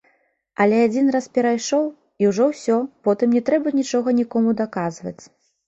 Але адзін раз перайшоў, і ўжо ўсё, потым не трэба нічога нікому даказваць.